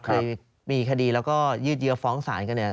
เคยมีคดีแล้วก็ยืดเยอะฟ้องศาลกันเนี่ย